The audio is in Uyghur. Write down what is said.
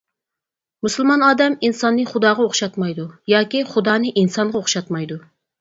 مۇسۇلمان ئادەم ئىنساننى خۇداغا ئوخشاتمايدۇ ياكى خۇدانى ئىنسانغا ئوخشاتمايدۇ!